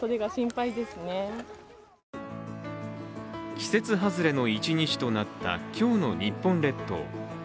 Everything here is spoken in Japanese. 季節外れの一日となった今日の日本列島。